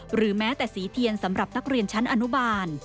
หรือแม้แต่สีเทียนสำหรับนักเรียนชั้นอนุบาล